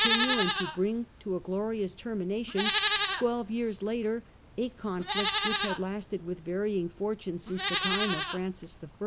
Peace of Westphalia, 5 tinue and to bring to a glorious termination twelve years later a conflict which had lasted with varying fortune since the time of Francis I.